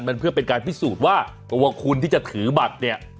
มันเพื่อเป็นการพิสูจน์ว่าตัวคุณที่จะถือบัตรเนี่ย